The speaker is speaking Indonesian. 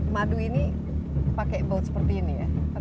madu ini pakai boat seperti ini ya